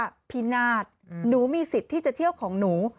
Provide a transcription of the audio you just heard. พินาศหนูมีสิทธิ์ที่จะเที่ยวของหนู